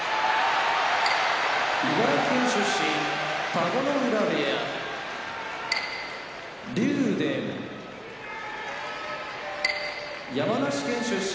茨城県出身田子ノ浦部屋竜電山梨県出身